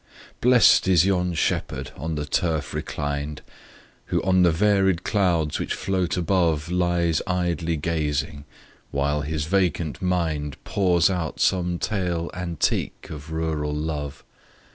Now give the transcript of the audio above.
BLEST is yon shepherd, on the turf reclined, Who on the varied clouds which float above Lies idly gazing while his vacant mind Pours out some tale antique of rural love!